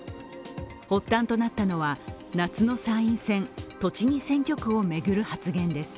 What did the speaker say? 発端となったのは、夏の参院選栃木選挙区を巡る発言です。